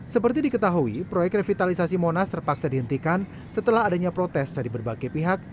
seperti diketahui proyek revitalisasi monas terpaksa dihentikan setelah adanya protes dari berbagai pihak